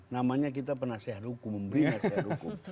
namanya kita penasehat hukum memberi penasehat hukum